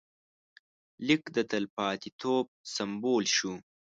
لیک د تلپاتېتوب سمبول شو.